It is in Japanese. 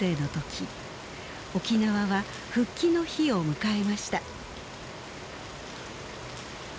沖縄は復帰の日を迎えました。